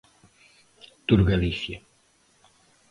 Turgalicia.